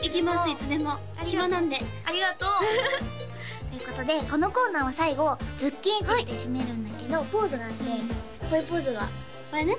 いつでも暇なんでありがとうということでこのコーナーは最後「ズッキーン！」って言って締めるんだけどポーズがあってこういうポーズがこれね